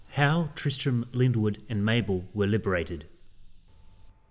How Tristram Lyndwood and Mabel were liberated.